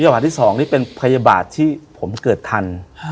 บาทที่๒นี่เป็นพยาบาลที่ผมเกิดทัน